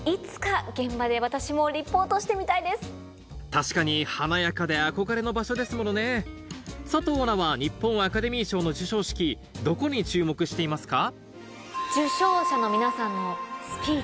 確かに華やかで憧れの場所ですものね佐藤アナは日本アカデミー賞の授賞式どこに注目していますか？